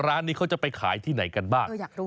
ร้านนี้เขาจะไปขายที่ไหนกันบ้าง